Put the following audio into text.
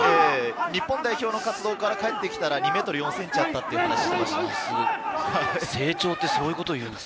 日本代表の活動から帰ってきたら２ｍ４ｃｍだったという話です。